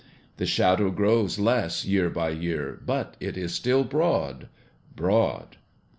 The shadow grows less year by year, but it is still broad, broad."